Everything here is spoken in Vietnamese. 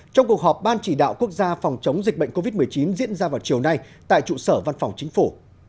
trong cuộc họp ban chỉ đạo quốc gia phòng chống dịch bệnh covid một mươi chín diễn ra vào chiều nay tại trụ sở văn phòng chính phủ